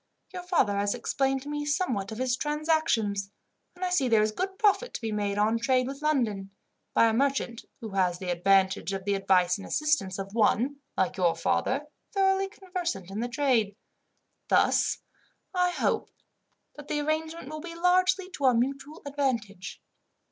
Your father has explained to me somewhat of his transactions, and I see there is good profit to be made on trade with London, by a merchant who has the advantage of the advice and assistance of one, like your father, thoroughly conversant in the trade. Thus, I hope that the arrangement will be largely to our mutual advantage.